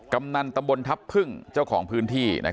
กำนันตำบลทัพพึ่งเจ้าของพื้นที่